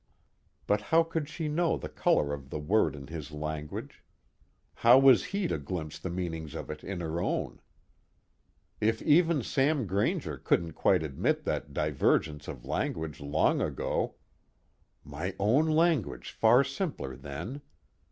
But how could she know the color of the word in his language? How was he to glimpse the meanings of it in her own? If even Sam Grainger couldn't quite admit that divergence of language long ago (_my own language far simpler then!